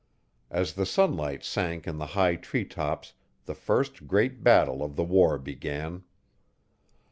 As the sunlight sank in the high tree tops the first great battle of the war began.